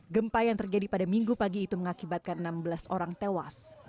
gempa yang terjadi pada minggu pagi itu mengakibatkan enam belas orang tewas